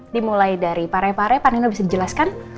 dimulai dari parepare pak nino bisa dijelaskan